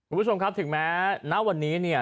สวัสดีครับถึงแม้ณวันนี้เนี่ย